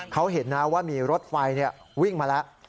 เขาเห็นนะว่ามีรถไฟวิ่งมาแล้ว